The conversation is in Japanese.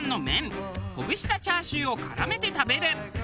ほぐしたチャーシューを絡めて食べる。